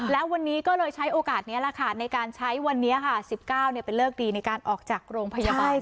แล้ววันนี้ก็เลยใช้โอกาสนี้ในการใช้วันนี้ค่ะ๑๙เป็นเลิกดีในการออกจากโรงพยาบาล